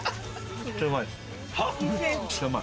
めっちゃうまい。